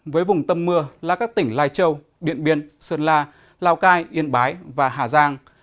với vùng tâm mưa là các tỉnh lai châu điện biên sơn la lào cai yên bái và hà giang